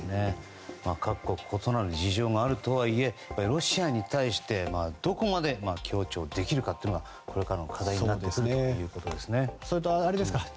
各国異なる事情があるとはいえロシアに対してどこまで協調できるかというのがこれからの課題になってくるということですね。